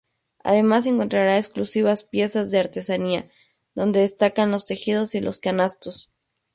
Además, encontrará exclusivas piezas de artesanía, donde destacan los tejidos y los canastos.